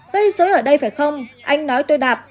gây dối ở đây phải không anh nói tôi đạp